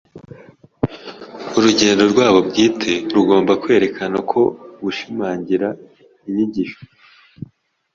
Urugero rwabo bwite rugomba kwerekana no gushimangira inyigisho zabo.